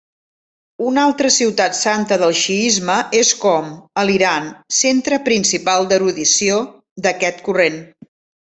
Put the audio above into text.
Una altra ciutat santa del xiisme és Qom, a l'Iran, centre principal d'erudició d'aquest corrent.